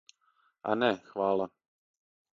А не, хвала.